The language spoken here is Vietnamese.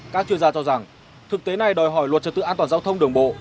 các chuyên gia cho rằng thực tế này đòi hỏi luật trật tự an toàn giao thông đường bộ